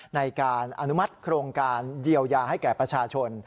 ในการอนุมัติโครงการเยียวยาให้แก่ประชาชน